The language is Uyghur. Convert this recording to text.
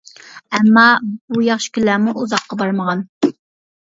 ئەمما بۇ ياخشى كۈنلەرمۇ ئۇزاققا بارمىغان.